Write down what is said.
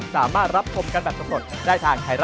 สักพักแม่กรีด